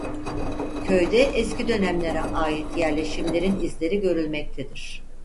Köyde eski dönemlere ait yerleşimlerin izleri görülmektedir.